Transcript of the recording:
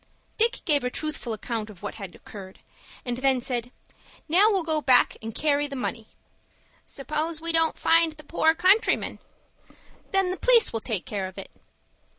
Dick gave a truthful account of what occurred, and then said, "Now we'll go back and carry the money." "Suppose we don't find the poor countryman?" "Then the p'lice will take care of it."